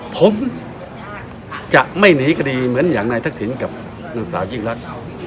ผมจะไม่หนีกดีเหมือนอย่างในทักศิลป์กับหนังสาวจริงรัก